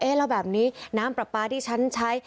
แล้วแบบนี้น้ำปลาปลาที่ฉันใช้